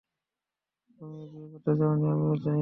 তুমিও বিয়ে করতে চাওনি, আমিও চাইনি।